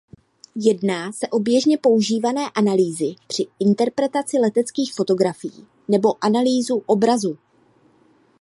Jedná se o běžně používané analýzy při interpretaci leteckých fotografii nebo analýzu obrazu.